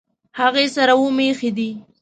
هغې سره اووه مېښې دي